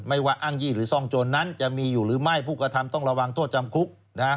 ว่าอ้างยี่หรือซ่องโจรนั้นจะมีอยู่หรือไม่ผู้กระทำต้องระวังโทษจำคุก